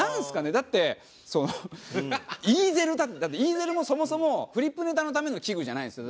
だってイーゼル立ててだってイーゼルもそもそもフリップネタのための器具じゃないですよ。